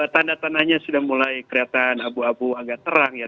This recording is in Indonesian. tanda tandanya sudah mulai kelihatan abu abu agak terang ya